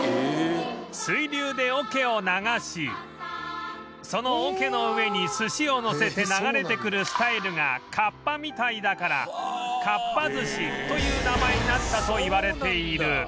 水流で桶を流しその桶の上に寿司をのせて流れてくるスタイルがカッパみたいだからかっぱ寿司という名前になったといわれている